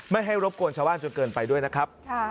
ไม่ให้รบกวนชาวบ้านจนเกินไปด้วยนะครับ